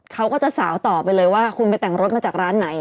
เขาก็จะสาวต่อไปเลยว่าคุณไปแต่งรถมาจากร้านไหน